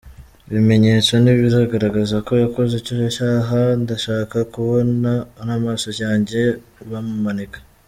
Ibimenyetso nibigaragaza ko yakoze icyo cyaha, ndashaka kubona n’amaso yanjye bamumanika.